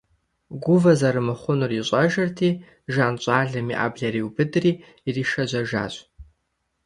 Гувэ зэрымыхъунур ищӀэжырти, Жан щӀалэм и Ӏэблэр иубыдри иришэжьэжащ.